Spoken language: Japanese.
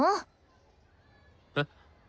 えっ？